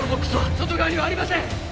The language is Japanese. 外側にはありません！